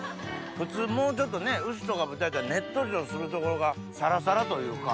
普通もうちょっとね牛とか豚やったらねっとりとするところがサラサラというか。